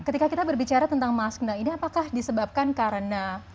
ketika kita berbicara tentang masna ini apakah disebabkan karena